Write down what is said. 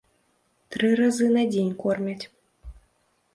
Тры разы на дзень кормяць.